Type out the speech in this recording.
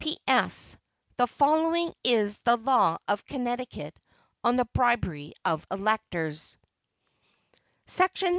P. S. The following is the law of Connecticut on the bribery of electors: SECTION 64.